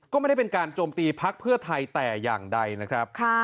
ก็ไม่ได้เป็นการโจมตีพักเพื่อไทยแต่อย่างใดนะครับ